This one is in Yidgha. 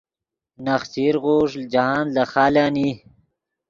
نخچیر غوݰ جاہند لے خالن ای